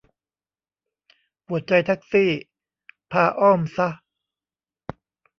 ปวดใจแท็กซี่ พาอ้อมซะ